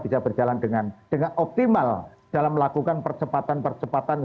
bisa berjalan dengan optimal dalam melakukan percepatan percepatan